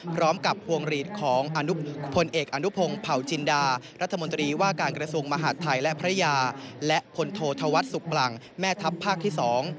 พร้อมกับพวงหลีดของพลเอกอนุพงศ์เผาจินดารัฐมนตรีว่าการกระทรวงมหาดไทยและพระยาและพลโทธวัฒนสุขปลังแม่ทัพภาคที่สอง